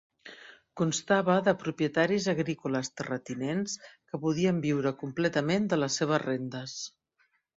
Constava de propietaris agrícoles terratinents que podien viure completament de les seves rendes.